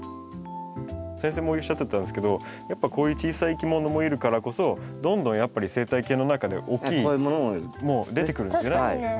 先生もおっしゃってたんですけどやっぱこういう小さいいきものもいるからこそどんどんやっぱり生態系の中では大きい出てくるんですね。